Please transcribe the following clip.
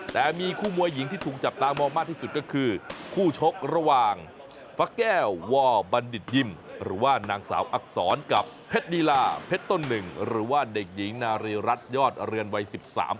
แต่มีคู่มวยหญิงที่ถูกจับตามองมากที่สุดก็คือคู่ชกระหว่างพระแก้ววบัณฑิตยิมหรือว่านางสาวอักษรกับเพชรลีลาเพชรต้นหนึ่งหรือว่าเด็กหญิงนารีรัฐยอดเรือนวัย๑๓ปี